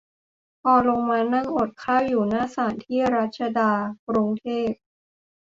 พอลงมานั่งอดข้าวอยู่หน้าศาล ที่รัชดา กรุงเทพ